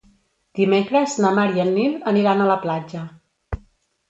Dimecres na Mar i en Nil aniran a la platja.